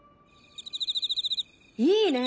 いいね！